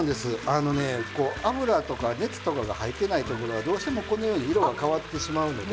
あのね油とか熱とかが入っていないところはどうしてもこのように色が変わってしまうので。